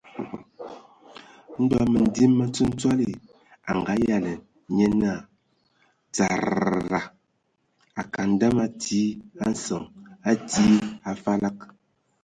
Ndɔ Məndim me Ntsotsɔli a ngayalan nye naa : Tsaarr...ra : Akaŋ dama a tii a nsəŋ, a tii a falag !